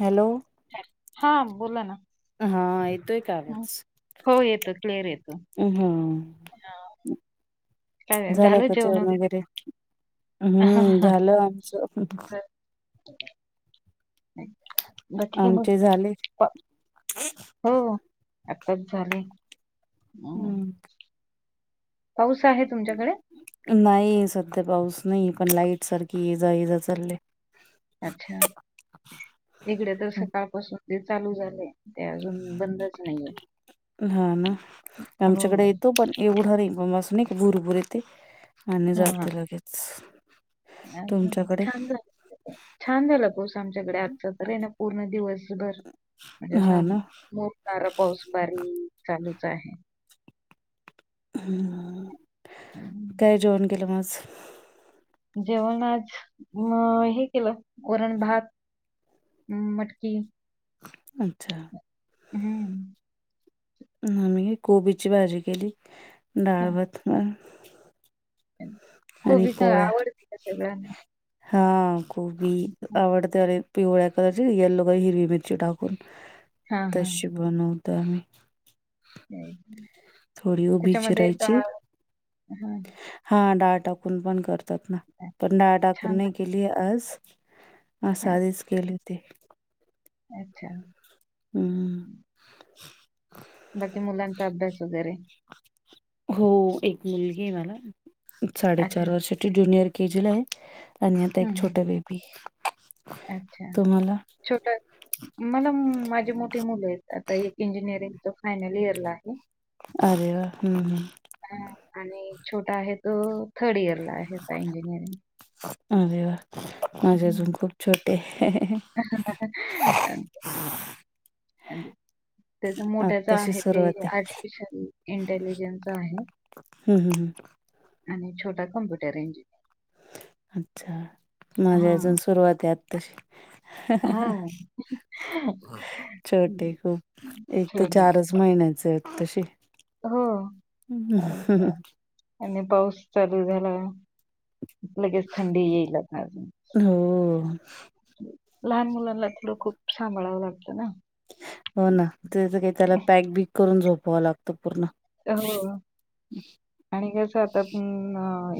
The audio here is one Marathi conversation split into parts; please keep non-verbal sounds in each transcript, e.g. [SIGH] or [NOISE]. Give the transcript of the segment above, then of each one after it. हॅलो. हा, बोला ना. हा, येतोय का हो येत, क्लिअर येतो. ह हम्म हा. झालं का जेवण वगैरे? हां, हम्म, हां, झालं आमचं. बाकी मग? आमचे झाले बा- हो हो, आत्ताच झाले. हं. हम्म पाऊस आहे तुमच्याकडे? नाही, सध्या पाऊस नाही, पण लाईट सारखी ये जा, ये जा, चालले. अच्छा, इकडे तर सकाळ पासून जे चालू झालय- ते अजून बंदच नाहीये, हो एवढ रिबूमॉस न्हाई का, भुरभूर येते आणि हां, हां. जाते लगेच. तुमच्याकडे छान झालेत छान झाला पाउस आमच्याकडे आजचा तर हे ना पूर्ण दिवसभर म्हणजे- हा साम् ना नार पाऊस बारीक चालूच आहे. हं. काय जेवण केलं मग आज? जेवण आज, मग हे केलं वरण भात हम्म मटकी, अच्छा. हम्म. मी कोबीची भाजी केली, डाळ भात आणि कोबीच्या पोळ्या आवडते का सगळ्या? हा, कोबी आवडते पिवळ्या कलरची, येल्लो बाई हिरवी मिरची टाकून, हा हा तशी बनवतो आम्ही. ते- थोडी उभी त्याच्यामध्ये डाळ चिरायची- हा हा डाळ टाकून पण करतात ना, हा. पण डाळ छान टाकून नाही लागते. केली आज. आज हा, साधीच केली होती. अच्छा!. हम्म. बाकी मुलांचा अभ्यास वगैरे? हो, एक मुलगी ए मला अच्छा साडेचार वर्ष ती ज्युनियर केजीला ए आणि आता हम्म एक हम्म. छोट बेबी. अच्छा! तुम्हाला अ. मला माझी मोठी मुलं एत ना एक इंजिनिअरिंगच फायनल इयरला आहे. अरे वाह! हम्म. ह आणि छोटा आहे तो थर्ड इयरला आहे. आता इंजिनिअरिंग अरे वाह! माझे अजून खूप छोटे आहे. [UNINTELLIGIBLE] अ त्याचा मोठ्याच आत्ताशी आहे ते सुरुवात आहे आर्टिफिशियल इंटेलिजन्स आहे. हम् हम हम. आणि छोटा कम्प्युटर इंजिनर. अच्छा! माझी अजून हा सुरुवात ए आत्ताशी. हा छोटे हम्म, खूप. एक तर छोटे चारच महिन्याच ए आत्ताशी. हो अच्छा [UNINTELLIGIBLE] आणि पाऊस चालू झाला. लगेच थंडी येईल आत्ता. हो लहान मुलांना थोडं खूप सांभाळावं लागतं ना. हो ना. त्याच काही त्याला पॅक बीक करून झोपाव लागतं पूर्ण. हो. आणि कसं आता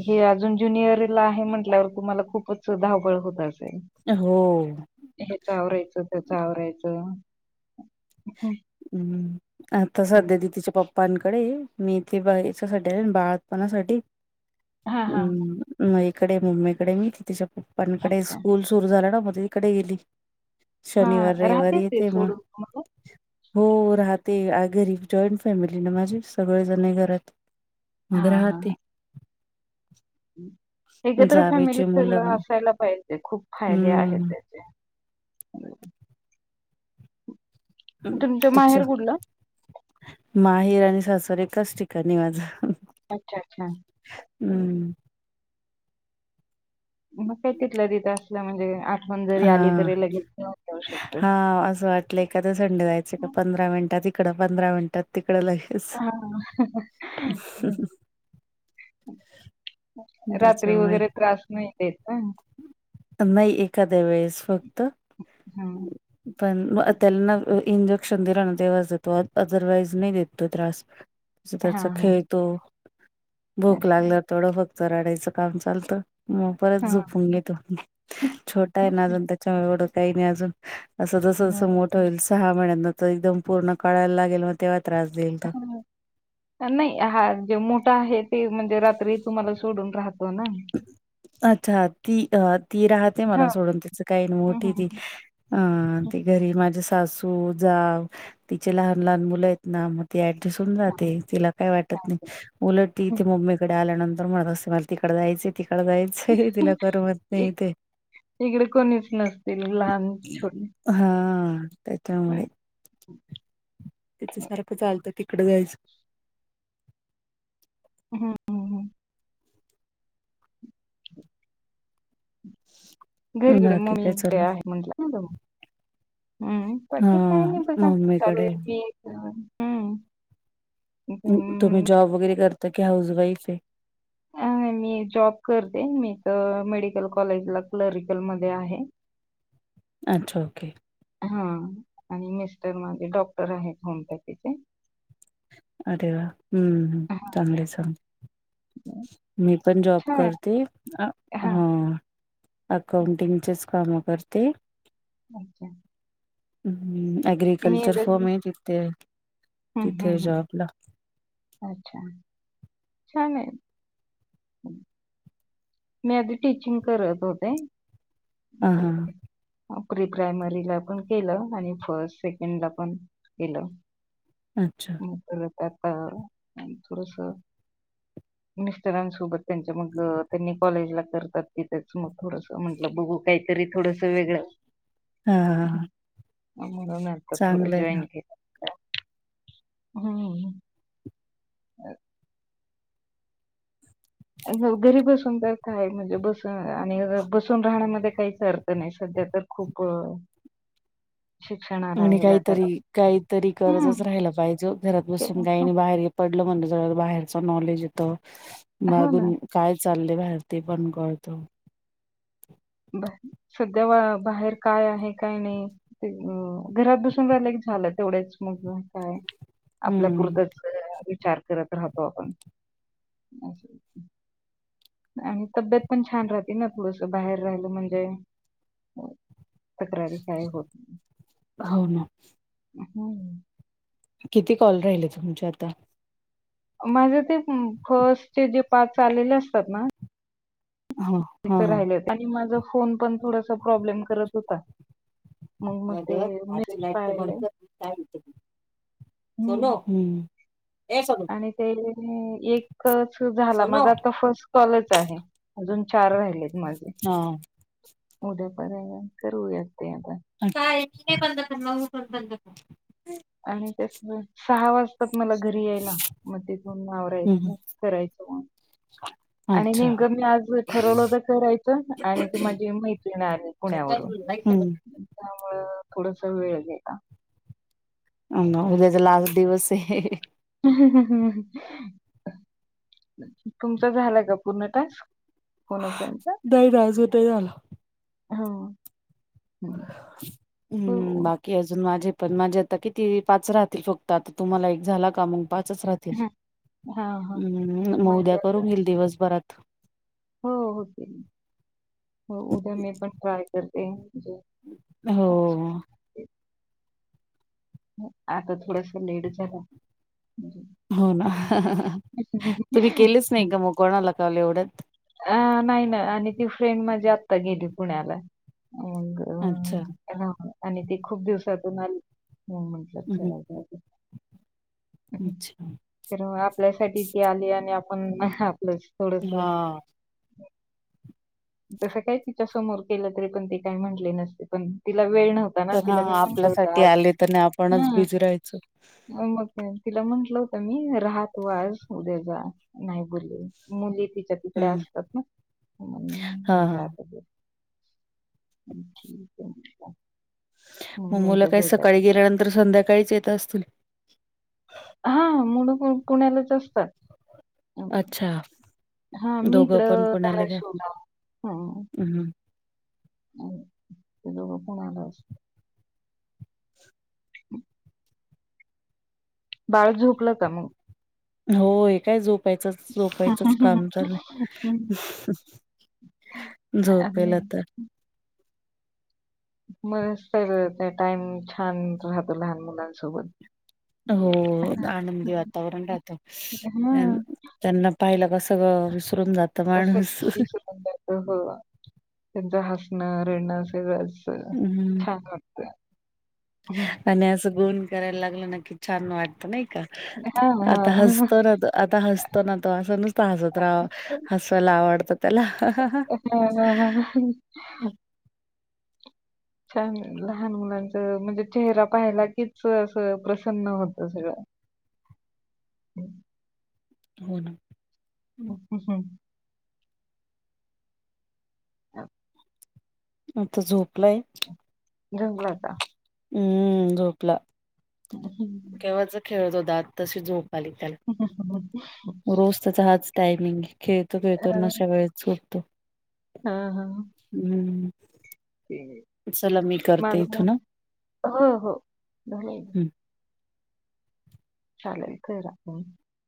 हे अजून ज्युनियरला आहे म्हटल्यावर तुम्हाला खूपच सुद्धा धावपळ होत असेल. हो. हेच आवरायचं. त्याच आवरायचं. हम्म, हम्म. आता हम्म. सध्या दि तिच्या पप्पांकडे मीथे याच्यासाठी आले बाळपणासाठी. हा हा हम्म. म इकडे म्मीकडे मी तेच्या पप्पांकडे अच्छा स्कूल सुरू झाला ना मग तिकडे गेली. शनिवार हां, राहतेच रविवारी ते येते मग. सोडून तुम्हाला. हो राहते. आ घरी जॉईंट फॅमिली ना माझे सगळेजण आहे घरात. मग हां, राह हां, ते. हां. एकत्र जावेची फॅमिली मुलं पण. असायला पाहिजे खूप फायदे आहेत हम्म त्याचे. तुमचं माहेर अ्च्या. कुठलं? माहेर आणि सासर एकाच ठिकाणी आहे माझं. अच्छा! अच्छा! हम्म मग काही तिथलं तिथं असलं म्हणजे आठवण जरी आली तरी लगेच येऊन जाऊ शकत. ह असं आपलं एखाद संडे जायचं का पंधरा मिनिटात तिकडंधरा मिनटात तिकडं लग- हां. [UNINTELLIGIBLE] रात्री वगैरे त्रास नाही देत ना. नाही‌. एखाद्या वेळेस होतं. हां. पण त्याला ना इंजेक्शन दिला ना तेव देतो अदरवाईज नाही देतो त्रास. [INAUDIBLE] त्याचा त्याचं हां. खेळतो. भूक अच्छा. लागल थोडं फक्त रडायचं काम चालतं. मग परत हां, झोपून घेतो. छोटा आहे ना अजून त्याच्यामुळे एवढं काही नाही अजून. असं जस हां, जसं मोठं होईल, सहा महिन्यांन तर एकदम पूर्ण कळायला लागेल मग तेव्हा त्रास देईल. तो. [INAUDIBLE] नाही हा जे मोठा आहे ते, म्हणजे रात्री तुम्हाला सोडून राहतो ना. अच्छा ती अ ती राहते हां. मला सोडून, तिच काही हं, मोठीय हं, ती. हं. ती घरी माझे सासू, जाव तिचे लहान लहान मुलं आहेत ना ती ऍड दिसून हां, जाते तिला काय वाटत नाही. उलट ती इथे हां. मम्मीकडे आल्यानंतर म्हणत असते. तिकड जायंचय, तिकड जायचय. तरीही तिला करमत नाही इथे इकडे कोणीच नसतील लहान छोटे हा त्याच्यामुळे. तिचं सारंख चालतं तिकडें जायचं. हम हम हम. [INAUDIBLE] घरीकडे बाकी मम्मी काय ते चाललं? आहे म्हंटलं ना तु. हम्म बाकी काय हां, नाही बघा. मम्मीकडे. चालुय की हम्म. तुम्ही पण, जॉब वगैरे करता की, हाऊस वाईफ आहे. अ मी जॉब करते. मी इथ मेडिकल कॉलेजला क्लरिकल मध्ये आहे. अच्छा. हा आणि मिस्टर माझे डॉक्टर आहेत होमिपॅथीचे. अरे वा, हम्म, हम्म हा. चांगलय चांगले. मी पण जॉब छान करते, हा. अकाउंटिंगचच काम करते. [UNINTELLIGIBLE] हं मी अग्रीकल्चर फॉम एवढं आहे तिथे. हम्म, तिथे हम्म, जॉबला. हम्म अच्छा छान आहे. [INAUDIBLE] मी आधी टीचिंग करत होते. हां, हां. प्री प्रायमरी ला पण केलं, आणि फर्स्ट सेकंड ला पण केलं. अच्छा. मग परत आता थोडसं मिस्टरांसोबत त्यांच्या मग, त्यानी कॉलेजला करतात तिथच मग थोडसं म्हटलं मग बघू. काहीतरी थोडस वेगळं. हां हां. मग मुलांना अडकवत ठेवलं, चांगलं आहे ना. जॉईन केलं. हम्म. हो घरी बसून तर काय, म्हणजे बसून आणि बसून राहण्यामध्ये काहीच अर्थ नाही. सध्या तर खूप शिक्षणाला म्हणे ह्याला त्याला काहीतरी, काहीतरी हम्म. करतच राहायला पाहिजे. घरात ते- बसून काही नाही. बाहेर पडलं म्हणलं सगळ्यांत बाहेरच नॉलेज येत. हो ना मागून काय चाललंय बाहेर ते पण कळत. सध्या बाहेर काय आहे काय नाही. ते अ घरात बसून राहिला की झाल, तेवढेच मग कायआपल्या हं. पुरतंच विचार करत राहतो आपण. आणि तब्येत पण छान राहते ना, थोडसं बाहेर राहिलं म्हणजे तक्रारी काय होत नाही. हाव ना. हम किती कॉल राहिले तुमचे आता? माझे ते फर्स्टचे जे पाच आलेले असतात ना हा हा. तिथं राहिलेत आणि माझ फोन पण थोडासा प्रॉब्लेम करत होता मग ते [INAUDIBLE] मेसेज लाईट पाहिले बंद कर [UNINTELLIGIBLE] सोनु हम्म आणि ते एक एकच झाला सोनू माझा आता फर्स्ट कॉलच आहे अजून चार राहिलेत माझे उद्या पर्यंत करूयात ते आता [INAUDIBLE] आणि तसलं सहा वाजतात मला घरी यायला मग तिथून आवरायचं हम्म मग करायच मग आणि अच्छा नेमकं मी आज ठरवलं तर करायचं आणि ती माझी मैत्रिण आली पुण्यावरून हम् त्यामुळे थोडस वेळ गेला असं [UNINTELLIGIBLE] दिवस हे [UNINTELLIGIBLE] हहह तुमचा झाला का पूर्ण टास्क? फोन फ्रेंड चा नाही ना अजून नाही झाला. हम हम्म हो. बाकी की अजून माझे पण माझे आता किती पाच राहतील फक्त आता तुम्हाला एक झाला का मग पाचच राहतील हां हां. मग उद्या माझ्या आता करून घेईल दिवस भरात हो हो होतील हो उद्या मी पण ट्राय करते म्हणजे हो आता थोडसं लेटच झाला हो ना हा हा हा हा तुम्ही केलेच नाही का मग कोणाला काॅल एवढ्यात अ नाही ना आणि ती फ्रेंड माझी आता गेली पुण्याला मग अच्छा ह आणि ती खूप दिवसातून आली म्हणून हम्म हम्म, [UNINTELLIGIBLE] अच्छा तर आपल्यासाठी ती आली आणि आपण आपलंच हा [INAUDIBLE] जसं काही तिच्या समोर केलं तरी पण ती काय म्हंटली नसती पण तिला वेळ नव्हता होता ना तर हा तिला मी म्हंटल होत आपल्यासाठी आज आले तर नाही आपणच हम् बिझी राहायचो. मग म्हंटलं तिला म्हंटलं होतं मी रहा तू आज उद्या जा नाही बोलले मुली तिच्या तिकडे हम्म असतात ना हा मग हा जाय पाहीजे ठीक आहे मग मी मुलं म्हटलं काय जाऊ द्या सकाळी गेल्यानंतर संध्याकाळीच येत असतील हा मुलं पण पुण्यालाच असतात अच्छा हा मी दोघं पण इकडं पुण्याला का धाराशिवला हम हम हम्म मुलं पुण्याला असतात [INAUDIBLE] बाळ झोपलं का मग होय काय झोपायचंच झोपायचंच काम चालू आहे अह हम झोपेल आणि आता मस्त मिळतोय टाईम छान झोप लहान मुलांसोबत. हो आनंदी वातावरण राहतं हा अन त्यांना पाहिलं का सगळं विसरून जातं असं माणूस. विसरून जातो. हो त्यांच हसणं रडणं सगळंच. हो हम्म छान वाटतं हं. आणि असं गुण करायला लागलं ना की छान वाटतं नाही का? हां, आता हां. हसतो ना आता हस तो ना तो असं नुसतं हसत रा हसायला आवडत. त्याला ह ह ह. हा हा. छान लहान मुलांच म्हणजे चेहरा पाहायला कीच असं प्रसन्न होत सगळं. हो ना. [INAUDIBLE] [INAUDIBLE] आता झोपलाय. जिंगला का? हम्म, झोपला हां, केव्हाच खेळत होता आत्ताशी झोप आली त्याला. [INAUDIBLE] रोज त्याचा हाच टाइमिंग आहे, खेळतो खेळतो अन अशा वेळेच झोपतो. हा हा. हम्म. चला मी करते इथून [UNINTELLIGIBLE] ह चालेल करा फोन.